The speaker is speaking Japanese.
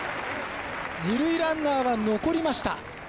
二塁ランナーは残りました。